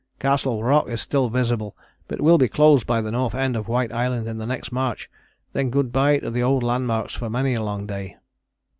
"Castle Rock is still visible, but will be closed by the north end of White Island in the next march then good bye to the old landmarks for many a long day."